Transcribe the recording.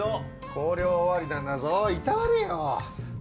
校了終わりなんだぞいたわれよ！